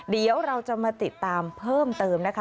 เดี๋ยวเราจะมาติดตามเพิ่มเติมนะคะ